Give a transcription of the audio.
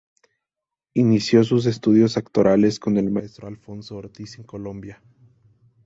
Inicio sus estudios actorales con el maestro Alfonso Ortiz en Colombia.